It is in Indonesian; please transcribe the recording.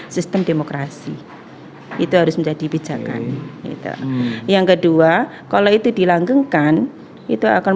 sistem demokrasi itu harus menjadi pijakan itu yang kedua kalau itu dilanggengkan itu akan